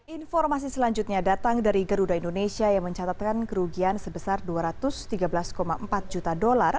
informasi selanjutnya datang dari garuda indonesia yang mencatatkan kerugian sebesar dua ratus tiga belas empat juta dolar